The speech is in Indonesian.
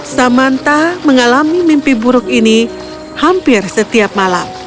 samantha mengalami mimpi buruk ini hampir setiap malam